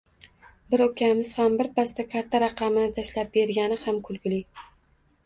Bir ukamiz ham bir pasda karta raqamini tashlab bergani ham kulgili.